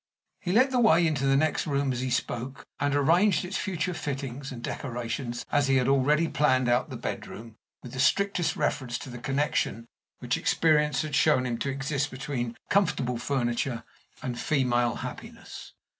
He led the way into the next room as he spoke, and arranged its future fittings, and decorations, as he had already planned out the bedroom, with the strictest reference to the connection which experience had shown him to exist between comfortable furniture and female happiness.